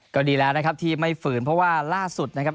ก็ดีแล้วนะครับที่ไม่ฝืนเพราะว่าล่าสุดนะครับ